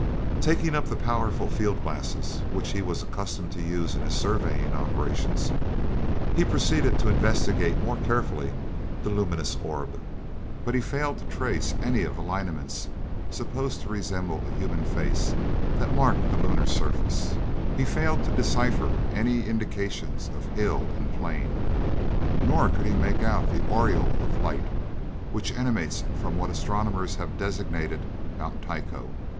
Taking up the powerful field glass which he was accustomed to use in his surveying operations, he proceeded to investigate more carefully the luminous orb. But he failed to trace any of the lineaments, supposed to resemble a human face, that mark the lunar surface; he failed to decipher any indications of hill and plain; nor could he make out the aureole of light which emanates from what astronomers have designated Mount Tycho.